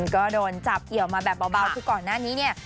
ก็โดนจับเกี่ยวมาแบบเบาคือก่อนหน้านี้เนี่ย